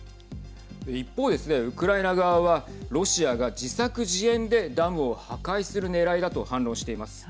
一方ですねウクライナ側は、ロシアが自作自演でダムを破壊するねらいだと反論しています。